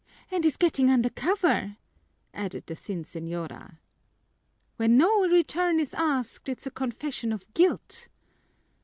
"And is getting under cover," added the thin señora. "When no return is asked, it's a confession of guilt."